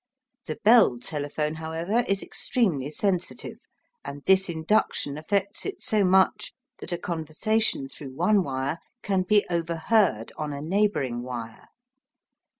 The Bell telephone, however, is extremely sensitive, and this induction affects it so much that a conversation through one wire can be overheard on a neighbouring wire.